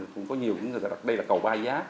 cũng có nhiều người đặt đây là cầu ba giá